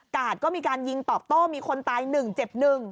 ก็มีการยิงตอบโต้มีคนตาย๑เจ็บ๑